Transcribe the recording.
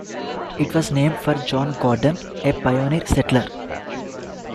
It was named for John Gordon, a pioneer settler.